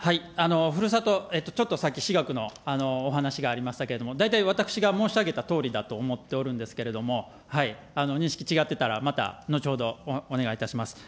ふるさと、ちょっとさっき私学のお話がありましたけれども、大体私が申し上げたとおりだと思っておるんですけれども、認識違ってたら、また後ほどお願いいたします。